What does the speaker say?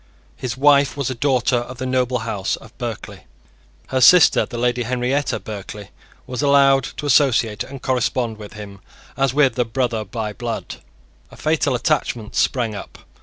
His wife was a daughter of the noble house of Berkeley. Her sister, the Lady Henrietta Berkeley, was allowed to associate and correspond with him as with a brother by blood. A fatal attachment sprang up.